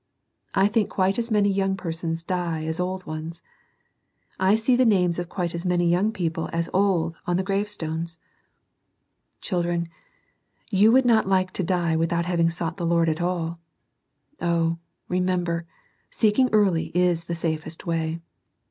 I think quite as many young persons die as old ones. I see the names of quite as many young people as old on the gcav^ %\$^tl^^« ^S^^SflKss^ 130 SERMONS FOR CHILDREN. you would not like to die without having sought the Lord at alL Oh, remember, seeking early is the safest way.